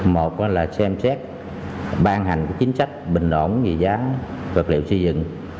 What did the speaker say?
một là xem xét ban hành chính sách bình ổn về giá vật liệu xây dựng